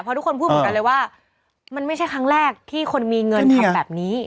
เพราะทุกคนพูดเหมือนกันเลยว่ามันไม่ใช่ครั้งแรกที่คนมีเงินทำแบบนี้